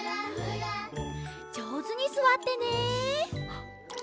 じょうずにすわってね！